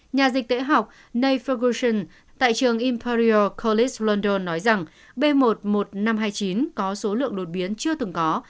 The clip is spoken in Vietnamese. nhà dịch tễ học nate ferguson tại trường imperial college london nói rằng b một một năm trăm hai mươi chín có số lượng đột biến chưa từng có